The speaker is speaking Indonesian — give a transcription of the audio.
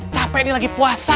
capek nih lagi puasa